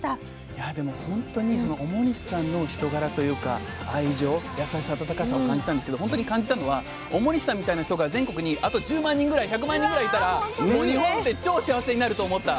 いやでも本当に表西さんの人柄というか愛情優しさ温かさを感じたんですけど本当に感じたのは表西さんみたいな人が全国にあと１０万人ぐらい１００万人ぐらいいたらもう日本って超幸せになると思った。